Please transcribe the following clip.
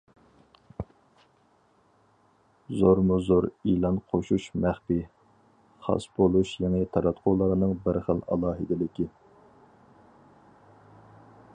زورمۇ زور ئېلان قوشۇش مەخپىي، خاس بولۇش يېڭى تاراتقۇلارنىڭ بىر خىل ئالاھىدىلىكى.